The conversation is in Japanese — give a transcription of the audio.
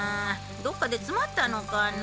どこかで詰まったのかな？